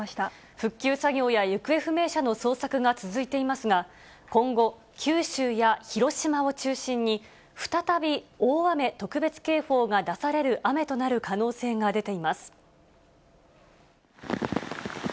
復旧作業や行方不明者の捜索が続いていますが、今後、九州や広島を中心に、再び大雨特別警報が出される雨となる可能性が出ています。